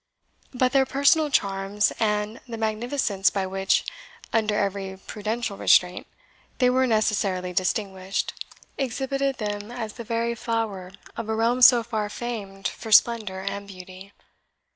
But their personal charms, and the magnificence by which, under every prudential restraint, they were necessarily distinguished, exhibited them as the very flower of a realm so far famed for splendour and beauty.